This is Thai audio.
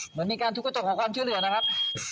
เหมือนมีการทุบกระจกขอความช่วยเหลือนะครับ